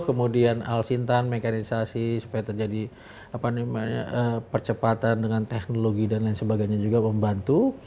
kemudian al sintan mekanisasi supaya terjadi percepatan dengan teknologi dan lain sebagainya juga membantu